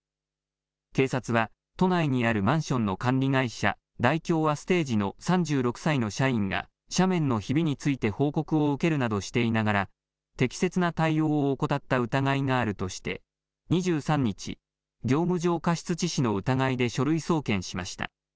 警察は都内にあるマンションの管理会社、大京アステージの３６歳の社員が斜面のひびについて報告を受けるなどしていながら適切な対応を怠った疑いがあるとして２３日、業務上過失致死の疑いで書類送検しました。